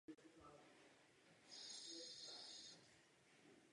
Během pozdního stalinismu působil v řadě klíčových funkcí.